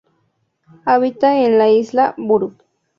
Habita en la isla Buru.